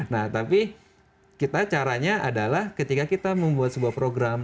nah tapi kita caranya adalah ketika kita membuat sebuah program